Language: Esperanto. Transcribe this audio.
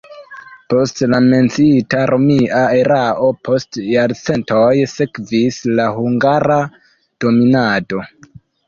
Post la menciita romia erao post jarcentoj sekvis la hungara dominado.